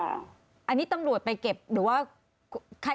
อันนี้ตำรวจไปเก็บหรือว่า